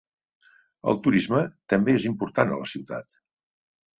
El turisme també és important a la ciutat.